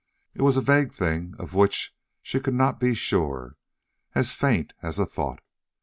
It was a vague thing of which she could not be sure, as faint as a thought.